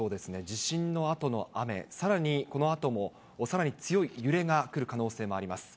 地震のあとの雨、さらに、このあとも、さらに強い揺れが来る可能性もあります。